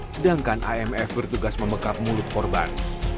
sedangkan amf bertugas memekap mulut korban